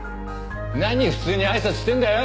何普通にあいさつしてんだよ！